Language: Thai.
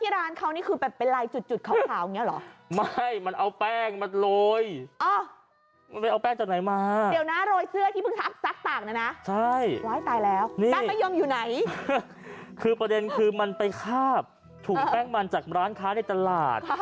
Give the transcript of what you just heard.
ดูมันทำดูมันทำเอาไปดูวิรากรรมมาหน่อยครับ